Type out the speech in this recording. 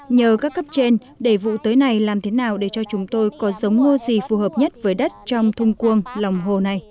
nhờ các cấp trên để vụ tưới này làm thế nào để cho chúng tôi có giống ngô gì phù hợp nhất với đất trong thung cuông lòng hồ này